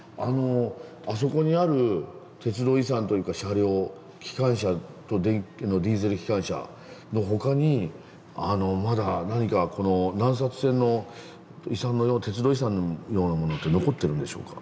あそこにある鉄道遺産というか車両機関車とディーゼル機関車の他にまだ何かこの南線の遺産鉄道遺産のようなものって残ってるんでしょうか？